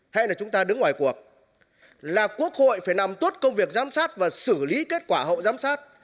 hay là chúng ta đứng ngoài cuộc là quốc hội phải làm tốt công việc giám sát và xử lý kết quả hậu giám sát